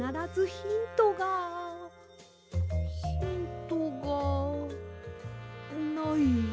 ヒントがない。